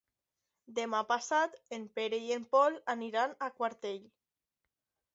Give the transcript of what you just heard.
Demà passat en Pere i en Pol aniran a Quartell.